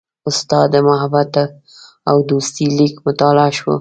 ستا د محبت او دوستۍ لیک مطالعه شو.